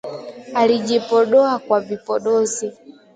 alijipodoa kwa vipodozi